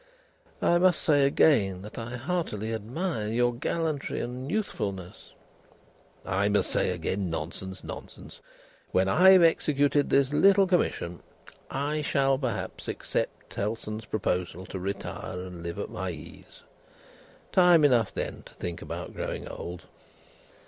"I must say again that I heartily admire your gallantry and youthfulness." "I must say again, nonsense, nonsense! When I have executed this little commission, I shall, perhaps, accept Tellson's proposal to retire and live at my ease. Time enough, then, to think about growing old."